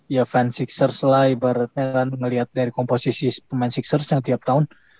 ya fansixers lah ibaratnya kan ngeliat dari komposisi pemain sixers yang tiap tahun